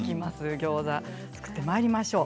ギョーザ作ってまいりましょう。